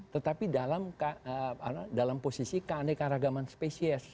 tetapi dalam posisi keanekaragaman spesies